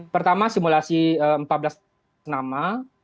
pertama simulasi empat belas nama